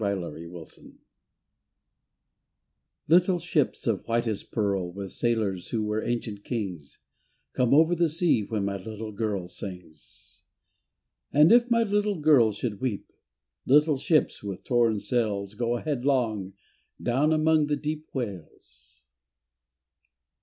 248 A MOTHER'S SONG Little ships of whitest pearl With sailors who were ancient kings, Come over the sea when my little girl Sings. And if my little girl should weep, Little ships with torn sails Go headlong down among the deep Whales.